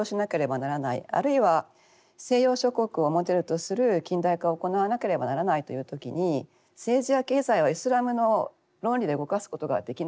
あるいは西洋諸国をモデルとする近代化を行わなければならないという時に政治や経済はイスラムの論理で動かすことができなくなっていた。